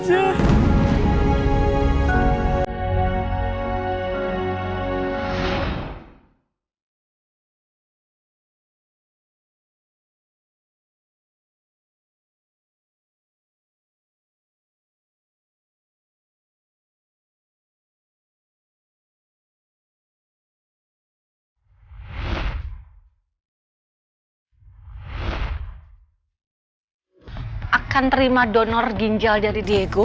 aku akan terima donor ginjal dari dego